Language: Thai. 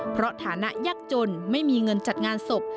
เพราะฐานะยากจนไม่มีเงินจัดงานศพ